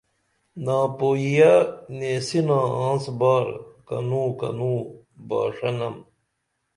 ناپوئییہ نیسنا آنس بار کنو کنو باݜنم